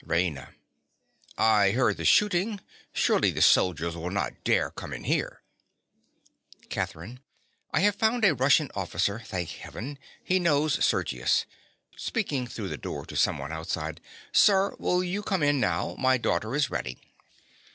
RAINA. I heard the shooting. Surely the soldiers will not dare come in here? CATHERINE. I have found a Russian officer, thank Heaven: he knows Sergius. (Speaking through the door to someone outside.) Sir, will you come in now! My daughter is ready.